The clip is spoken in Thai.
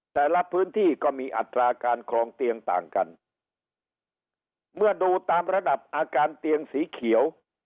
แต่ละพื้นที่ก็มีอัตราการครองเตียงต่างกันเมื่อดูตามระดับอาการเตียงสีเขียว